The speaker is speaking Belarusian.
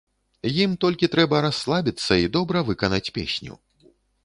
Ім толькі трэба расслабіцца і добра выканаць песню.